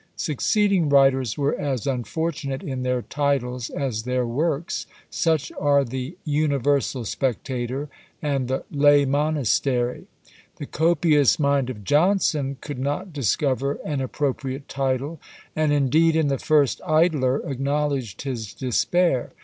Succeeding writers were as unfortunate in their titles, as their works; such are the "Universal Spectator," and the "Lay Monastery." The copious mind of Johnson could not discover an appropriate title, and indeed in the first "Idler" acknowledged his despair.